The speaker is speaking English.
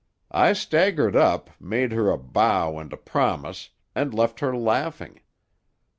I staggered up, made her a bow and a promise, and left her laughing.